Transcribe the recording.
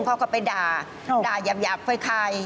เขาก็ไปด่าด่าหยาบไปค่าย